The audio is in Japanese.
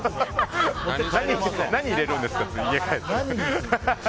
何入れるんですか？